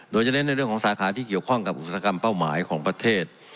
โดยจะเน้นในเรื่องของสาขาที่เกี่ยวข้องกับอุตสาหกรรมเป้าหมายของประเทศ